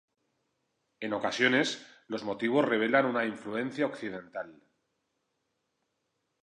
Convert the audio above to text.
En ocasiones, los motivos revelan una influencia occidental.